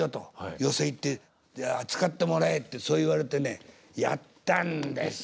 寄席行って使ってもらえ」ってそう言われてねやったんですよ。